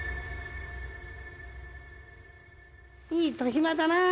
いい年増だなあ。